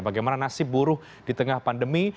bagaimana nasib buruh di tengah pandemi